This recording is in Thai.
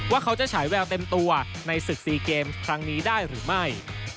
ว่าเขาจะฉายแววเต็มตัวในศึก๔เกมครั้งนี้ได้หรือไม่